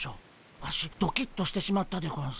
ワシドキッとしてしまったでゴンス。